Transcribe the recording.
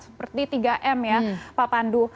seperti tiga m ya pak pandu